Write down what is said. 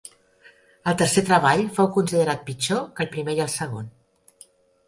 El tercer treball fou considerat pitjor que el primer i el segon.